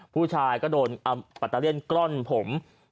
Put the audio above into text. ผู้ชายก็โดนเอาปัตตาเลียนกล้อนผม